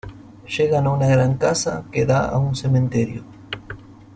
Llegan a una gran casa que da a un cementerio.